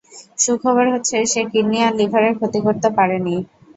সুখবর হচ্ছে, সে কিডনি আর লিভারের ক্ষতি করতে পারেনি।